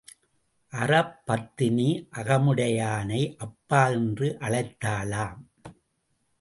அறப்பத்தினி அகமுடையானை அப்பா என்று அழைத்தாளாம்.